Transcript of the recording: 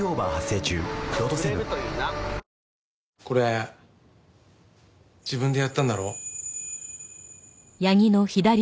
これ自分でやったんだろ？